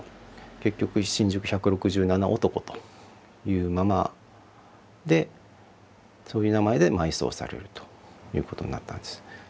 結局「新宿百六十七男」というままでそういう名前で埋葬されるということになったんです。